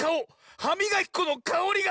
はみがきこのかおりが！